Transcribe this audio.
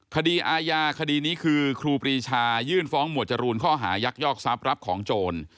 คดีอาญาคดีนี้คือครูปรีชายื่นฟ้องหมวดจรูนข้อหายักยอกทรัพย์รับของโจร